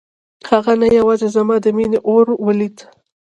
هغه نه یوازې زما د مينې اور ولید.